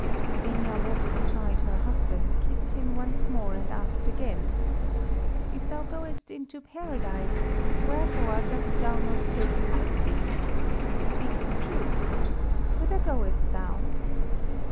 Byssenia walked beside her husband, kissed him once more, and asked again "If thou goest into Paradise, wherefore dost thou not take me with thee? Speak the truth? Whither goest thou?"